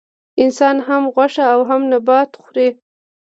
انسان هم غوښه او هم نباتات خوري